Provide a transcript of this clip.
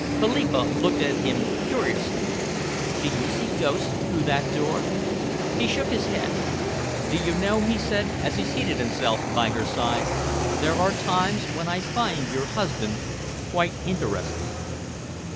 Philippa looked at him curiously. "Do you see ghosts through that door?" He shook his head. "Do you know," he said, as he seated himself by her side, "there are times when I find your husband quite interesting."